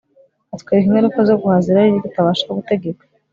Atwereka ingaruka zo guhaza irari tutabasha gutegeka